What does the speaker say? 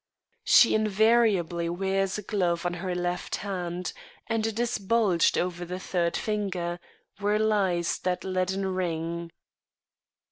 She invariably wears a glove on her left hand, and it is bulged over the third finger, where lies that leaden ring.